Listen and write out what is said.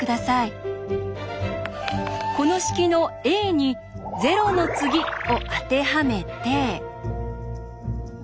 この式の「ａ」に「０の次」を当てはめて。